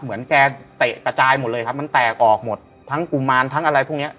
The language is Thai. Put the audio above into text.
เหมือนแกเตะกระจายหมดเลยครับมันแตกออกหมดทั้งกุมารทั้งอะไรพวกเนี้ย